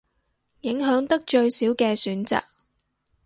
影響得最少嘅選擇